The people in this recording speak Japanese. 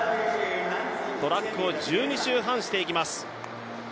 トラックを１２周半していきます。